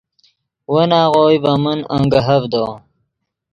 ون آغوئے ڤے من انگیہڤدو